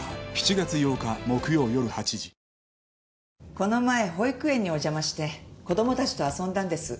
この前保育園にお邪魔して子供たちと遊んだんです。